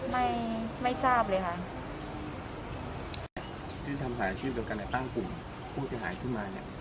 ไม่ไม่ทราบเลยค่ะที่ทำสายชีวิตเกิดกันในตั้งกลุ่มผู้จะหายขึ้นมาเนี่ย